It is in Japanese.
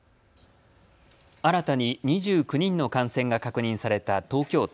新たに２９人の感染が確認された東京都。